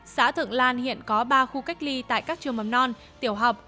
xã thượng lan hiện có ba khu cách ly tại các trường mầm non tiểu học